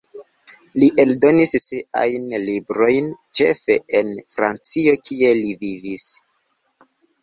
Li eldonis siajn librojn ĉefe en Francio, kie li vivis.